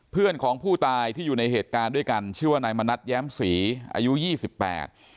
เพื่อนของผู้ตายที่อยู่ในเหตุการณ์ด้วยกันชื่อว่านายมณัฐแย้มศรีอายุยี่สิบแปด